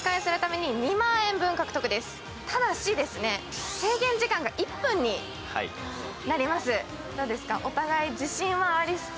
ただし、制限時間が１分になります。